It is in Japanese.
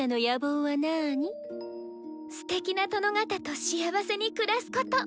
すてきな殿方と幸せに暮らすこと。